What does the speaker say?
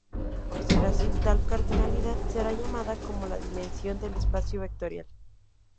Por ser así, tal cardinalidad será llamada como la dimensión del espacio vectorial.